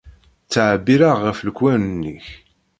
Ttɛebbiṛeɣ ɣef leqwanen-ik.